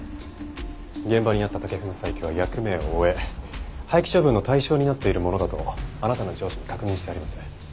現場にあった竹粉砕機は役目を終え廃棄処分の対象になっているものだとあなたの上司に確認してあります。